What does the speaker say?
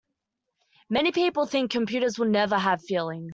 Many people think computers will never have feelings.